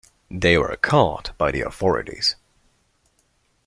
They were caught by the authorities.